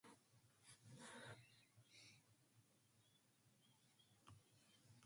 The ads featured Mesoamerican figures coupled with sandy beaches and humorous balloon captions.